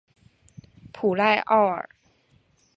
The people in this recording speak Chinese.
普赖奥尔。